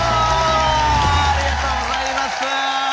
ありがとうございます。